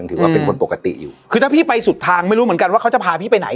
ถือว่าเป็นคนปกติอยู่คือถ้าพี่ไปสุดทางไม่รู้เหมือนกันว่าเขาจะพาพี่ไปไหน